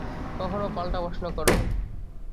কখনো পালটা প্রশ্ন করে।